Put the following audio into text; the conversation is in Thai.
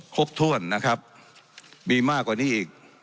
ครบถ้วนนะครับมีมากกว่านี้อีก